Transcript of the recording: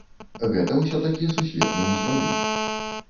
Гэта ўсё-такі сусветны ўзровень.